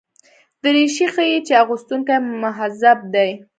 دریشي ښيي چې اغوستونکی مهذب دی.